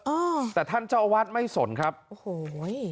อ้าวแต่ท่านเจ้าอาวาสไม่สนครับโห้ย